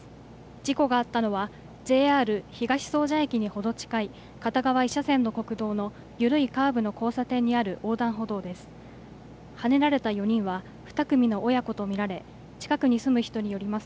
事故があったのはＪＲ東総社駅に程近い片側１車線の国道の緩いカーブの交差点にある横断歩道です。